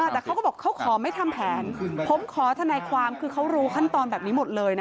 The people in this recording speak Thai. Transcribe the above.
แต่เขาก็บอกเขาขอไม่ทำแผนผมขอทนายความคือเขารู้ขั้นตอนแบบนี้หมดเลยนะ